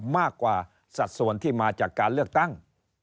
มากกว่าสัดส่วนที่มาจากการเลือกตั้ง